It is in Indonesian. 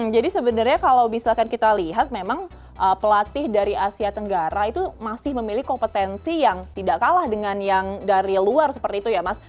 jadi sebenarnya kalau misalkan kita lihat memang pelatih dari asia tenggara itu masih memiliki kompetensi yang tidak kalah dengan yang dari luar seperti itu ya mas